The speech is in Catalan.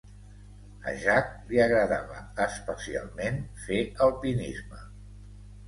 A Jack li agradava especialment fer alpinisme.